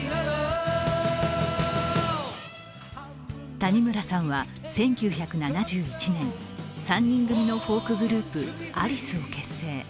谷村さんは１９７１年、３人組のフォークグループ、アリスを結成。